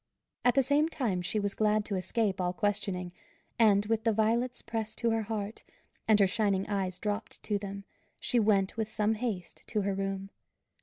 At the same time she was glad to escape all questioning, and with the violets pressed to her heart, and her shining eyes dropped to them, she went with some haste to her room.